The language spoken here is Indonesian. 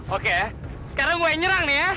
oke sekarang gue yang nyerang nih ya